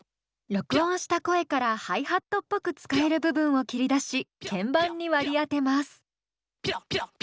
録音した声からハイハットっぽく使える部分を切り出し鍵盤に割り当てます。